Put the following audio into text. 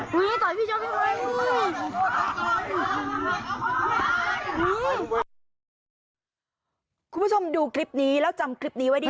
คุณผู้ชมดูคลิปนี้แล้วจำคลิปนี้ไว้ดิ